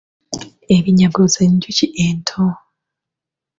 Ebinyago z’enjuki ento.